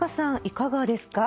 いかがですか？